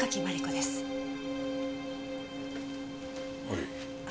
おい。